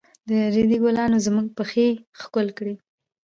د ريدي ګلانو زموږ پښې ښکل کړې.